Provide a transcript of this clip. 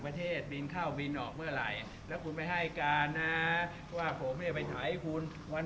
ร้านเก็บร้านร้านละสองพันห้าสามพันนะครับก็ต้องไปนับดูว่า